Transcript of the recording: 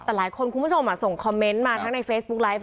แต่หลายคนคุณผู้ชมส่งคอมเมนต์มาทั้งในเฟซบุ๊คไลฟ์